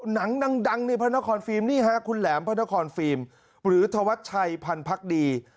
หนังดังในพระนครฟิล์มนี่ฮะคุณแหลมพระนครฟิล์มหรือธวัชชัยพันธ์ดี